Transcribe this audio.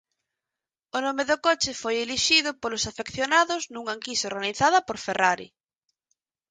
O nome do coche foi elixido polos afeccionados nunha enquisa organizada por Ferrari.